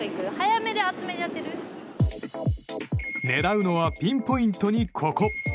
狙うのはピンポイントにここ。